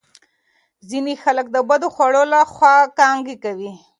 ځینې خلک د بدو خوړو له خوا کانګې کوي.